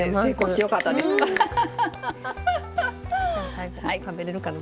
最後食べれるかな。